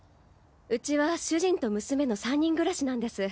うちは主人と娘の３人暮らしなんです。